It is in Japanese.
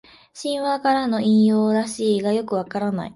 神話からの引用らしいがよくわからない